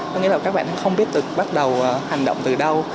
có nghĩa là các bạn không biết bắt đầu hành động từ đâu